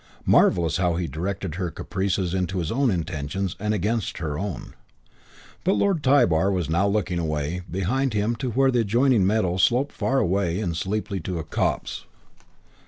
Marvellous how he directed her caprices into his own intentions and against her own. But Lord Tybar was now looking away behind him to where the adjoining meadow sloped far away and steeply to a copse.